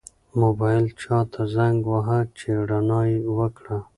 موبایل چا ته زنګ واهه چې رڼا یې وکړه؟